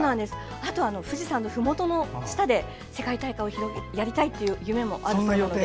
あと富士山のふもとの下で世界大会をやりたいという夢もあるそうで。